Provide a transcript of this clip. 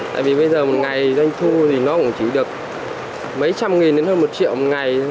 tại vì bây giờ một ngày doanh thu thì nó cũng chỉ được mấy trăm nghìn đến hơn một triệu một ngày